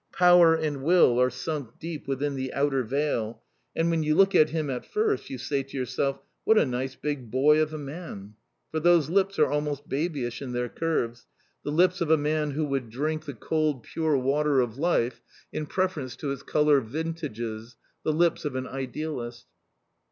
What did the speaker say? Power and will are sunk deep within the outer veil, and when you look at him at first you say to yourself, "What a nice big boy of a man!" For those lips are almost babyish in their curves, the lips of a man who would drink the cold pure water of life in preference to its coloured vintages, the lips of an idealist.